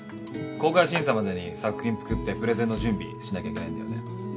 公開審査までに作品作ってプレゼンの準備しなきゃいけないんだよね。